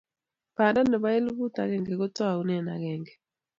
Banda nebo elbut agenge kotaune agenge